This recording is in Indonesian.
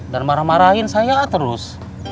dan marah marahin saya terus